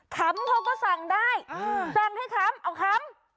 ขำเขาก็สั่งได้สั่งให้ขำเอาขำ